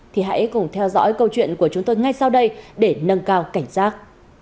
thì hãy cùng theo dõi câu chuyện của chúng tôi ngay sau đây để nâng cao cảnh giác